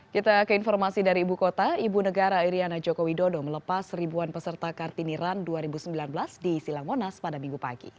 kita ke informasi dari ibu kota ibu negara iryana joko widodo melepas ribuan peserta kartini run dua ribu sembilan belas di silang monas pada minggu pagi